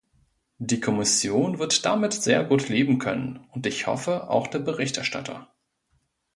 Die Kommission wird damit sehr gut leben können, und ich hoffe, auch der Berichterstatter.